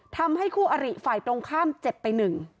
ทำให้คู่อริฝ่ายตรงข้าม๗ไป๑